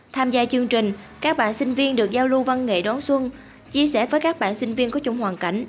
tham gia chương trình các bạn sinh viên được giao lưu văn nghệ đón xuân chia sẻ với các bạn sinh viên có chung hoàn cảnh